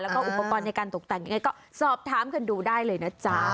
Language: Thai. แล้วก็อุปกรณ์ในการตกแต่งยังไงก็สอบถามกันดูได้เลยนะจ๊ะ